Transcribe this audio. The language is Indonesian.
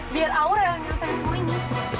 biar aura yang nyelesain semuanya